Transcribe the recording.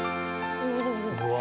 うわ。